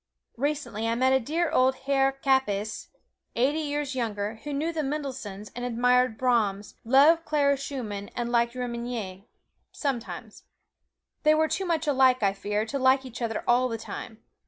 Recently I met dear old Herr Kappes, eighty years young, who knew the Mendelssohns, and admired Brahms, loved Clara Schumann, and liked Remenyi sometimes. They were too much alike, I fear, to like each other all the time.